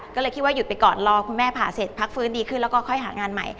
ก็เลยคิดว่าหยุดไปก่อนรอคุณแม่ผ่าเสร็จพักฟื้นดีขึ้นแล้วก็ค่อยหางานใหม่